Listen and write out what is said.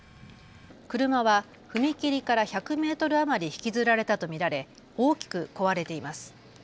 車は踏切から１００メートル余り引きずられたと見られ大きく壊れています。